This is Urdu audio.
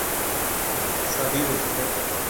شادی ہوتی ہے۔